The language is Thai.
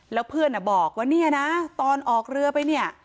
แล้วเพื่อนบอกว่าเนี่ยนะตอนออกเรือไปเนี่ย